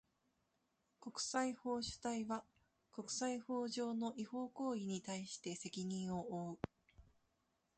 国際法主体は、国際法上の違法行為に対して責任を負う。